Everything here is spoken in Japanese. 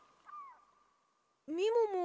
みもも